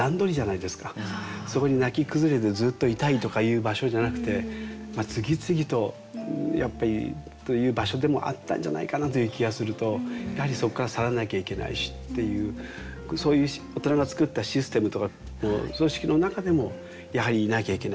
そこに泣き崩れてずっといたりとかいう場所じゃなくて次々とやっぱりという場所でもあったんじゃないかなという気がするとやはりそっから去らなきゃいけないしっていうそういう大人が作ったシステムとかその式の中でもやはりいなきゃいけない。